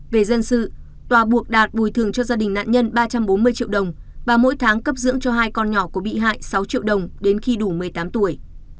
về dân sự tòa buộc đạt bồi thường cho gia đình nạn nhân ba trăm bốn mươi triệu đồng và mỗi tháng cấp dưỡng cho hai con nhỏ của bị hại sáu triệu đồng đến khi đủ một mươi tám tuổi